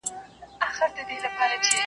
د زلمیو، د پېغلوټو، د مستیو .